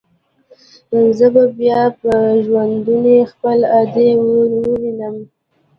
زه به بيا په ژوندوني خپله ادې ووينم.